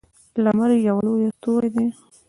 لمر یوه لویه ستوری ده